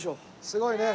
すごいね。